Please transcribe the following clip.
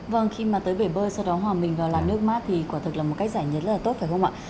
vâng khi mà tới bể bơi sau đó hòa mình vào làn nước mát thì quả thực là một cách giải nhiệt rất là tốt phải không ạ